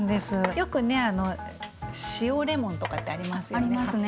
よくね塩レモンとかってありますよね？